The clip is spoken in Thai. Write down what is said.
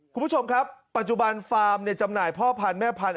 คุณผู้ชมครับปัจจุบันฟาร์มจำหน่ายพ่อพันธุ์แม่พันธุ